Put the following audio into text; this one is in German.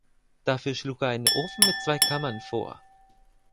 Dafür schlug er einen Ofen mit zwei Kammern vor.